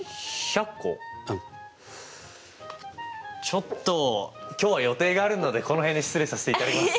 ちょっと今日は予定があるのでこの辺で失礼させていただきます。